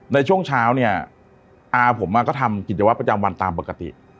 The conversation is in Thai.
ในช่วงเช้าเนี่ยอาผมก็ทำกิจวัตรประจำวันตามปกติ